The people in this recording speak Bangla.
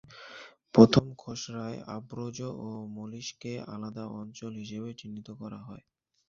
প্রথম খসড়ায় আব্রুজো ও মোলিসকে আলাদা অঞ্চল হিসেবে চিহ্নিত করা হয়।